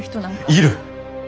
いる。